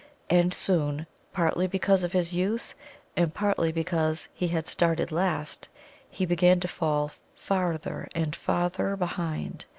And soon, partly because of his youth, and partly because he had started last, he began to fall farther and farther behind.